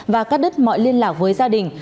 và cắt đứt mọi liên lạc với gia đình